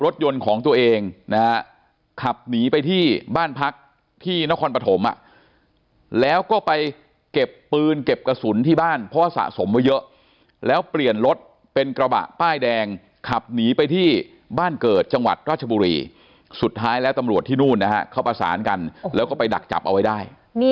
รถยนต์ของตัวเองนะฮะขับหนีไปที่บ้านพักที่นครปฐมแล้วก็ไปเก็บปืนเก็บกระสุนที่บ้านเพราะว่าสะสมไว้เยอะแล้วเปลี่ยนรถเป็นกระบะป้ายแดงขับหนีไปที่บ้านเกิดจังหวัดราชบุรีสุดท้ายแล้วตำรวจที่นู่นนะฮะเขาประสานกันแล้วก็ไปดักจับเอาไว้ได้